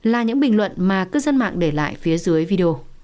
là những bình luận mà cư dân mạng để lại phía dưới video